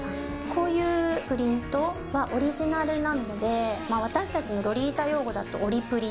こういうプリントはオリジナルなので、私たちのロリータ用語だとオリプリ。